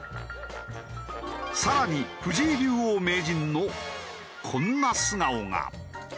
さらに藤井竜王・名人のこんな素顔が。